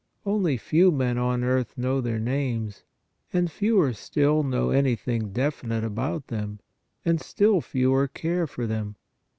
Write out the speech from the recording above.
Only few men on earth know their names, and fewer still know anything definite about them, and still fewer care for them.